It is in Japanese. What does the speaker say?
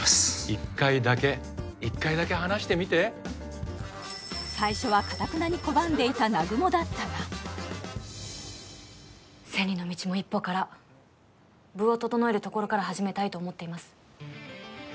一回だけ一回だけ話してみて最初はかたくなに拒んでいた南雲だったが千里の道も一歩から部を整えるところから始めたいと思っています